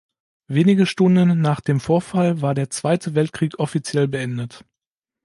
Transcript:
Wenige Stunden nach dem Vorfall war der Zweite Weltkrieg offiziell beendet.